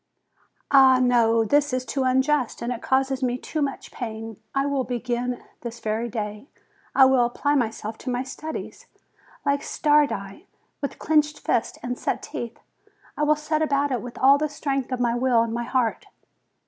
Ah, no; this is too unjust, and causes me too much pain. I will begin this very day; I will apply myself to my studies, like Stardi, with clenched fists and set teeth. I will set about it with all the strength of my will and my heart.